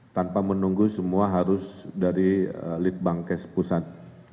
tanpa menunggu semua harus dari lead bank kes pusat